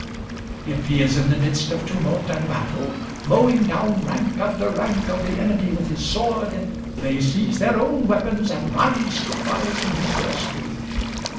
If he is in the midst of tumult and battle, mowing down rank after rank of the enemy with his sword, they seize their own weapons and rise to fly to his rescue.